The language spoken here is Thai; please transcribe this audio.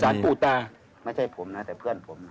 คู่ตาไม่ใช่ผมนะแต่เพื่อนผม